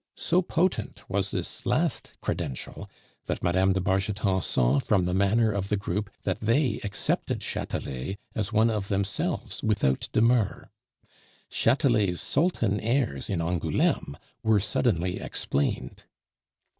So potent was this last credential, that Mme. de Bargeton saw from the manner of the group that they accepted Chatelet as one of themselves without demur. Chatelet's sultan's airs in Angouleme were suddenly explained.